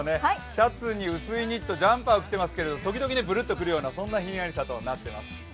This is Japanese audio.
シャツに薄いニット、ジャンパーを着てますけど時々ブルッとくるような、そんなひんやりさとなっています。